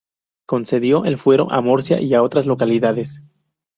Concedió el fuero a Murcia y a otras localidades.